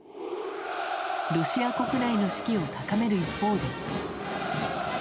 ロシア国内の士気を高める一方で。